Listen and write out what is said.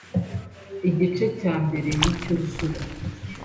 Igice cya mbere nicyuzura